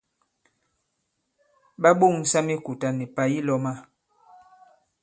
Ɓa ɓoŋsa mikùtà nì pà yi lɔ̄ma.